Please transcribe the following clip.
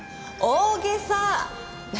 大げさ！